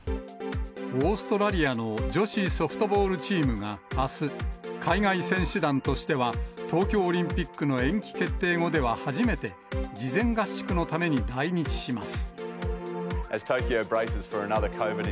オーストラリアの女子ソフトボールチームがあす、海外選手団としては、東京オリンピックの延期決定後では初めて、事前合宿のために来日します。